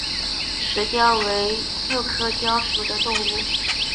石貂为鼬科貂属的动物。